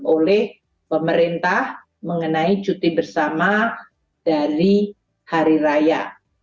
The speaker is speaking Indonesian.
oleh pemerintah mengenai cuti bersama dari hari raya